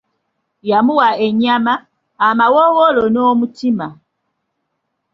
Yamuwa ennyama, amawoowolo n’omutima.